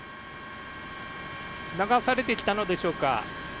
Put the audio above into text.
流されてきたのでしょうか。